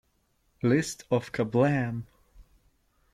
List of KaBlam!